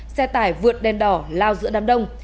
xe tải vượt đèn đỏ lao giữa đám đông